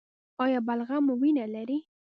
ایا بلغم مو وینه لري؟